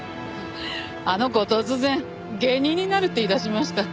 あの子突然芸人になるって言いだしました。